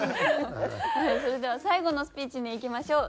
それでは最後のスピーチにいきましょう。